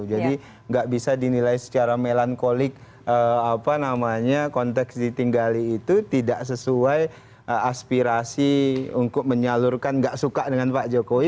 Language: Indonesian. jadi gak bisa dinilai secara melankolik apa namanya konteks ditinggali itu tidak sesuai aspirasi untuk menyalurkan gak suka dengan pak jokowi